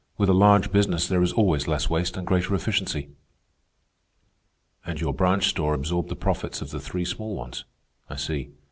With a large business there is always less waste and greater efficiency." "And your branch store absorbed the profits of the three small ones. I see.